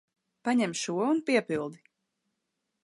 Paņem šo un piepildi.